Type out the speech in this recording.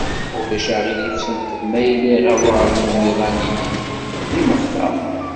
Ma ulac aɣilif senqed ma yella iɣewwaṛen n umiḍan-inek d imeɣta.